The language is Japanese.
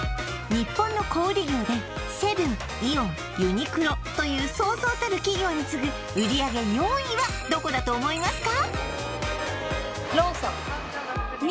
日本の小売業でセブンイオンユニクロというそうそうたる企業に次ぐ売上４位はどこだと思いますか？